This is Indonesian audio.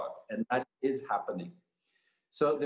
dan itu sedang berlaku